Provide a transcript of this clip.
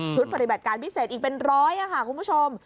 ปฏิบัติการพิเศษอีกเป็นร้อยค่ะคุณผู้ชม